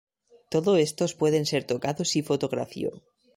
Todo estos pueden ser tocados y fotografió.